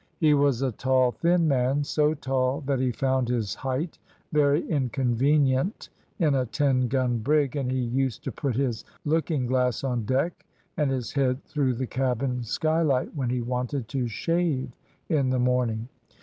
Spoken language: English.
He was a tall, thin man so tall that he found his height very inconvenient in a ten gun brig, and he used to put his looking glass on deck and his head through the cabin skylight when he wanted to shave in the morning.